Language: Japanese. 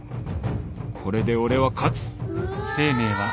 これで俺は勝つうわ。